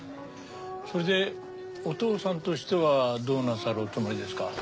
それでお父さんとしてはどうなさるおつもりですか？